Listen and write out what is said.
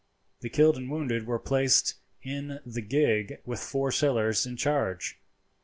The killed and wounded were placed in the other gig with four sailors in charge.